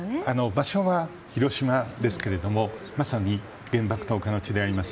場所は広島ですがまさに原爆投下の地であります